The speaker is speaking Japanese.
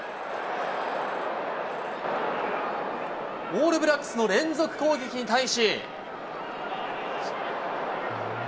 オールブラックスの連続攻撃に対し。